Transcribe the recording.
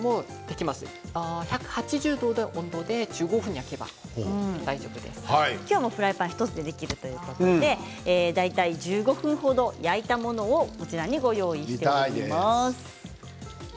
１８０度で１５分、焼けば今日はフライパン１つでできるということで大体１５分程、焼いたものをこちらにご用意しています。